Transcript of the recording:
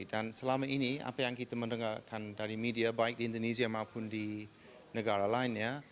dan selama ini apa yang kita mendengarkan dari media baik di indonesia maupun di negara lainnya